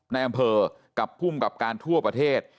ในอำเภอกับภูมิกับการทั่วประเทศ